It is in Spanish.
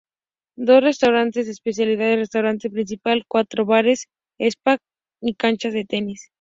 Dos restaurantes de especialidades, restaurante principal, cuatro bares, spa y canchas de tenis.